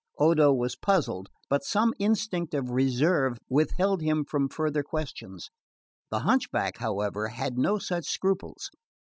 Odo was puzzled, but some instinct of reserve withheld him from further questions. The hunchback, however, had no such scruples.